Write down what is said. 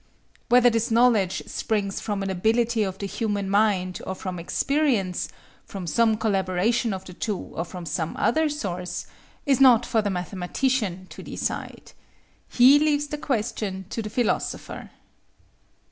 Whether this knowledge springs from an ability of the human mind or from experience, from some collaboration of the two or from some other source, is not for the mathematician to decide. He leaves the question to the philosopher.